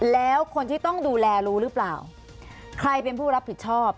แล้วคนที่ต้องดูแลรู้หรือเปล่าใครเป็นผู้รับผิดชอบ